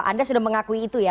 anda sudah mengakui itu ya